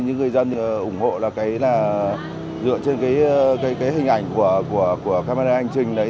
nhưng người dân ủng hộ là cái là dựa trên cái hình ảnh của camera hành trình đấy